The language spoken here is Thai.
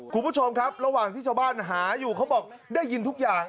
คุณผู้ชมครับระหว่างที่ชาวบ้านหาอยู่เขาบอกได้ยินทุกอย่าง